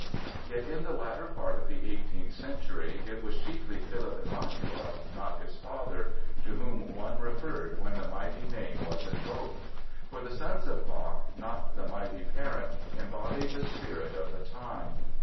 Yet, in the latter part of the eighteenth century it was chiefly Philipp Emanuel, not his father, to whom one referred when the mighty name was invoked. For the sons of Bach, not the mighty parent, embodied "the spirit of the time."